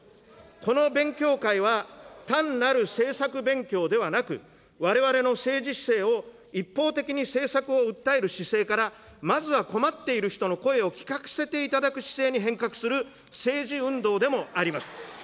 この勉強会は、単なる政策勉強ではなく、われわれの政治姿勢を一方的に政策を訴える姿勢から、まずは困っている人の声を聞かせていただく姿勢に変革する政治運動でもあります。